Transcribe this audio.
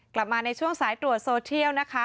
กลับมาในช่วงสายตรวจโซเทียลนะคะ